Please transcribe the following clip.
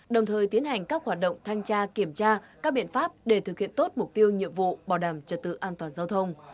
đồng thời tiến hành các hoạt động thanh tra kiểm tra các biện pháp để thực hiện tốt mục tiêu nhiệm vụ bảo đảm trật tự an toàn giao thông